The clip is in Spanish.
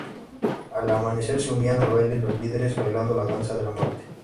Al amanecer se unían al baile los líderes, bailando la danza de la muerte.